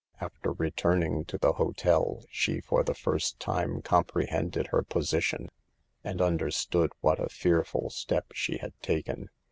After returning to the hotel she for the first time comprehended her position, and understood what a fearful step she had taken.